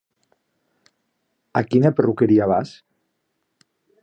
A quina perruqueria vas?